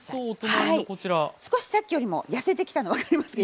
少しさっきよりも痩せてきたの分かりますか？